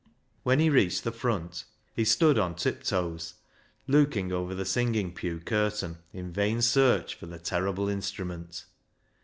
When he reached the front he stood on tip toes looking over the singing pew curtain in vain search for the terrible instrument.